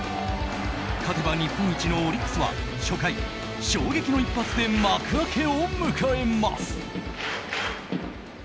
勝てば日本一のオリックスは初回、衝撃の一発で幕開けを迎えます。